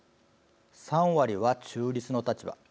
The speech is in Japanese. ３割は中立の立場。